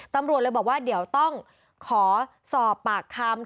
ตำรวจเลยบอกว่าเดี๋ยวต้องขอสอบปากคำ